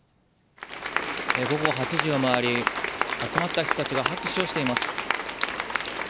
午後８時を回り、集まった人たちが拍手をしています。